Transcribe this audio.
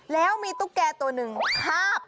แล้วมีตุ๊กแก่ตัวหนึ่งคาบ